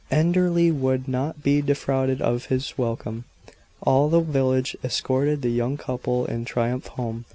Enderley would not be defrauded of its welcome all the village escorted the young couple in triumph home.